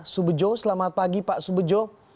subojo selamat pagi pak subojo